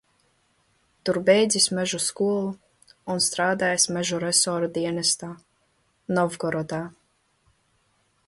Tur beidzis mežu skolu un strādājis mežu resora dienestā Novgorodā.